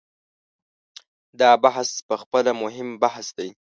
دا بحث په خپله مهم بحث دی.